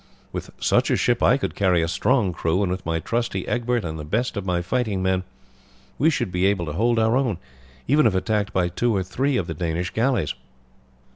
With such a ship I could carry a strong crew, and with my trusty Egbert and the best of my fighting men we should be able to hold our own, even if attacked by two or three of the Danish galleys."